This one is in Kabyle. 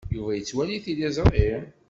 Yuba yettwali tiliẓri?